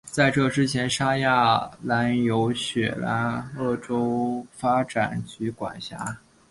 在这之前沙亚南由雪兰莪州发展局管辖。